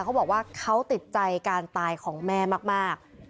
เขาบอกว่าเขาติดใจการตายของแม่มาก